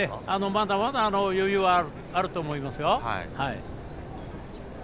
まだまだ余裕はあると思いますよ。